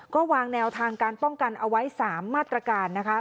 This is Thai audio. ก็วางแนวทางการป้องกันเอาไว้๓มาตรการนะคะ